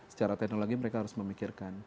secara teknologi mereka harus memikirkan